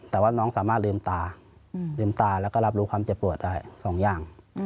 แต่ว่าน้องสามารถลืมตาลืมตาแล้วก็รับรู้ความเจ็บปวดได้สองอย่าง